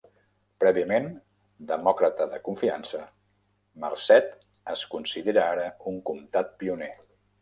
Prèviament demòcrata de confiança, Merced es considera ara un comtat pioner.